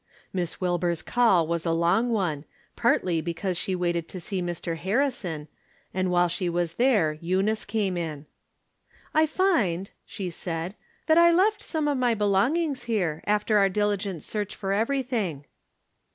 Miss Wilbur's call was a long one, partly because she waited to see Mr. Harrison, and while she was there Eunice came in. " I find," she said, " that I left some of my be longings here, after our diligent search for every thing."